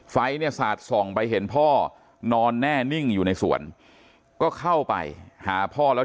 ไฟเนี่ยสาดส่องไปเห็นพ่อนอนแน่นิ่งอยู่ในสวนก็เข้าไปหาพ่อแล้ว